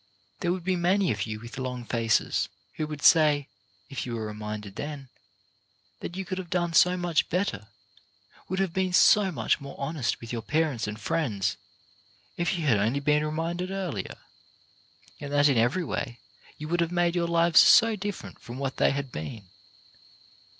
There would be many of you with HAVE YOU DONE YOUR BEST? 4 5 long faces, who would say, if you were reminded then, that you could have done so much better, would have been so much more honest with your parents and friends, if you had only been reminded earlier; and that in every way you would have made your lives so different from what they had been.